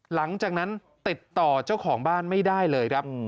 หลังจากนั้นติดต่อเจ้าของบ้านไม่ได้เลยครับ